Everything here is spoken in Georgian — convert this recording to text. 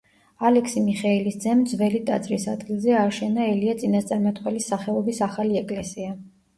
ალექსი მიხეილის ძემ ძველი ტაძრის ადგილზე ააშენა ელია წინასწარმეტყველის სახელობის ახალი ეკლესია.